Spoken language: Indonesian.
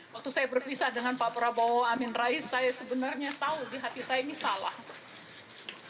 waktu saya berpisah dengan pak prabowo amin rais saya sebenarnya tahu di hati saya ini salah